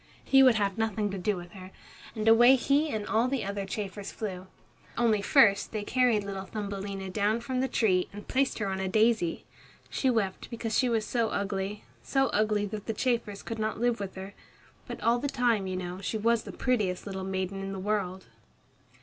He would have nothing to do with her, and away he and all the other chafers flew. Only first they carried little Thumbelina down from the tree and placed her on a daisy. She wept because she was so ugly so ugly that the chafers could not live with her. But all the time, you know, she was the prettiest little maiden in the world.